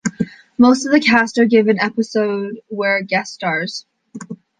Most of the cast of a given episode were guest stars.